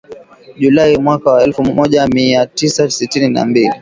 Julai mwaka wa elfu moja mia tisa sitini na mbili .